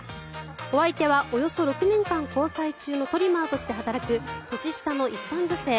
お相手はおよそ６年間交際中のトリマーとして働く年下の一般女性。